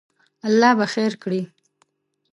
الله به خیر کړی